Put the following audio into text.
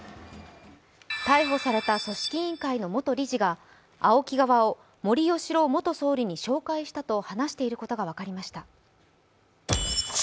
逮捕された組織委員会の元理事がＡＯＫＩ側を森喜朗元総理に紹介したと話していることが分かりました。